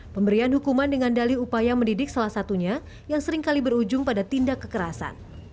pemberian hukuman dengan dali upaya mendidik salah satunya yang seringkali berujung pada tindak kekerasan